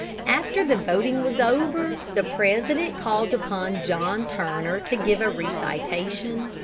After the voting was over, the president called upon John Turner to give a recitation.